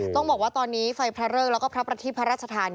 ต้องบอกว่าตอนนี้ไฟพระเริกแล้วก็พระประทีพระราชทาน